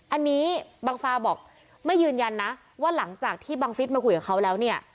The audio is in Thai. อันนี้บังฟาบอกไม่ยืนยันนะว่าหลังจากที่บังฟิศมาคุยกับเขาแล้วเนี่ย